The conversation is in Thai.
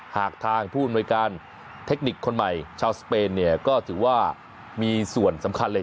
หากทางผู้อำนวยการเทคนิคคนใหม่ชาวสเปนเนี่ยก็ถือว่ามีส่วนสำคัญเลย